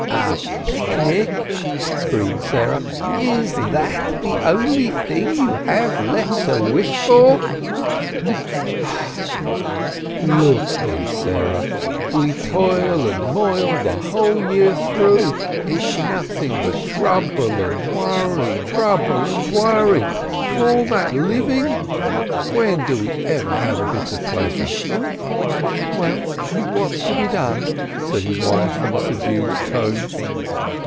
"A picnic!" screamed Sarah. "Is that the only thing you have left to wish for ?" "Look here, Sarah, we toil and moil the whole year through. It's nothing but trouble and worry, trouble and worry. Call that living! When do we ever have a bit of pleasure ?" "Well, what's to be done?" said his wife, in a sub dued tone.